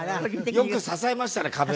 よく支えましたね壁を。